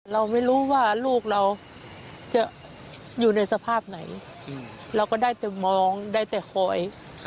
เราไม่รู้ว่าลูกเราจะอยู่ในสภาพไหนเราก็ได้แต่มองได้แต่คอย